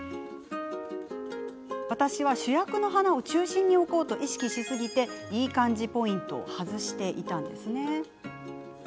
私は、主役の花を中心に置こうと意識しすぎていい感じポイントを外していました。